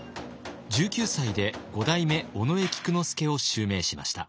１９歳で五代目尾上菊之助を襲名しました。